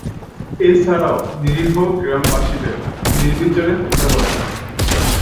এছাড়াও নিরীহ গ্রামবাসিদের নির্বিচারে হত্যা করে।